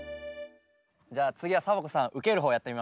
じゃあつぎはサボ子さんうけるほうやってみましょう。